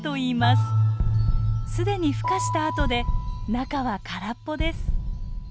すでにふ化したあとで中は空っぽです。